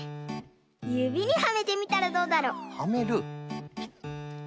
ゆびにはめてみたらどうだろ？はめる？